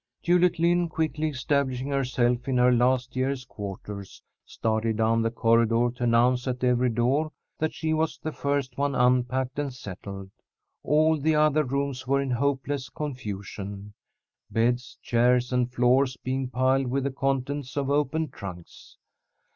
Juliet Lynn, quickly establishing herself in her last year's quarters, started down the corridor to announce at every door that she was the first one unpacked and settled. All the other rooms were in hopeless confusion, beds, chairs, and floors being piled with the contents of open trunks.